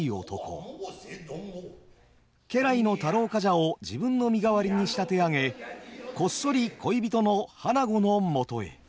家来の太郎冠者を自分の身代わりに仕立て上げこっそり恋人の花子のもとへ。